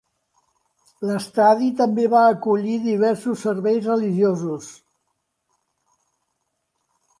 L'estadi també va acollir diversos serveis religiosos.